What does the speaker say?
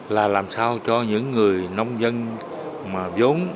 là làm sao cho những người nông dân mà giống